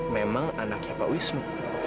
memang anaknya pak wisnu